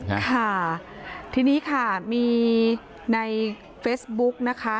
ค่ะทีนี้ค่ะมีในเฟซบุ๊กนะคะ